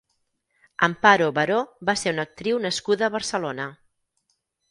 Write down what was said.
Amparo Baró va ser una actriu nascuda a Barcelona.